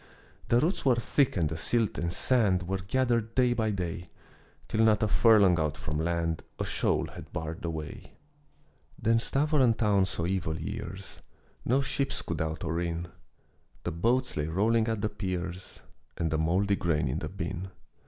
The roots were thick and the silt and sand Were gathered day by day, Till not a furlong out from land A shoal had barred the way. Then Stävoren town saw evil years, No ships could out or in. The boats lay rolling at the piers, And the mouldy grain in the bin.